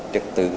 bảo vệ trật tự